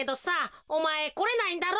おまえこれないんだろ。